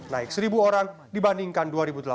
naik seribu orang dibandingkan dua ribu delapan belas